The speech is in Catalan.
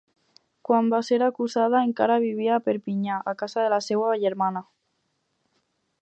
Quan va ser acusada, encara vivia a Perpinyà, a casa de la seva germana.